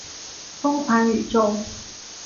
疯狂宇宙